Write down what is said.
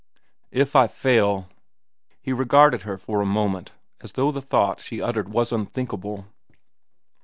"If I fail?" He regarded her for a moment as though the thought she had uttered was unthinkable.